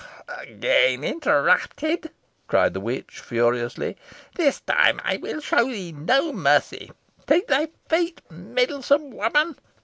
"Again interrupted!" cried the witch, furiously. "This time I will show thee no mercy. Take thy fate, meddlesome woman!"